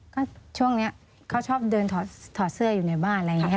ก็ช่วงนี้เขาชอบเดินถอดเสื้ออยู่ในบ้านอะไรอย่างนี้